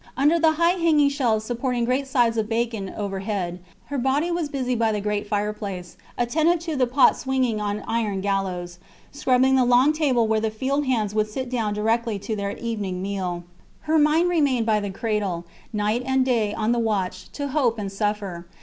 Under the high hanging shelves supporting great sides of bacon overhead, her body was busy by the great fireplace, attentive to the pot swinging on iron gallows, scrubbing the long table where the field hands would sit down directly to their evening meal. Her mind remained by the cradle, night and day on the watch, to hope and suffer.